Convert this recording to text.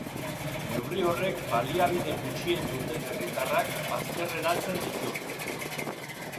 Neurri horrek baliabide gutxien duten herritarrak bazterreratzen ditu.